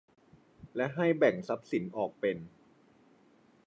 และให้แบ่งทรัพย์สินออกเป็น